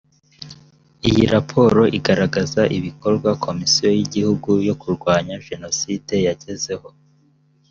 iyi raporo igaragaza ibikorwa komisiyo y’ igihugu yo kurwanya jenoside yagezeho